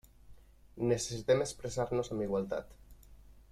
Necessitem expressar-nos amb igualtat.